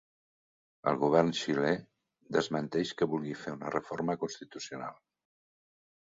El govern xilè desmenteix que vulgui fer una reforma constitucional